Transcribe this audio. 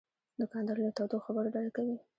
دوکاندار له تودو خبرو ډډه کوي.